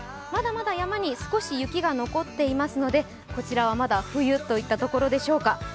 まだまだ山に少し雪が残っていますので、こちらはまだ冬といったところでしょうか。